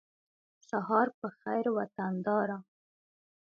سهار په خېر وطنداره